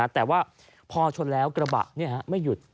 แต่ว่าพอชนแล้วกระบะไม่หยุด